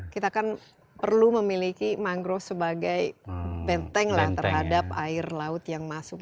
kita kan perlu memiliki mangrove sebagai benteng lah terhadap air laut yang masuk